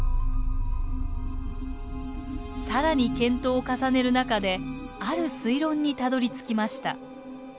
さらに検討を重ねる中である推論にたどりつきました。